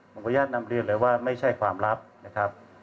ผมขออนุญาตนำเรียนเลยว่าไม่ใช่ความลับนะครับ